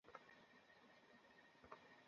তোমাকে ব্যাংক ডাকাত মশাই বলতে চাই না।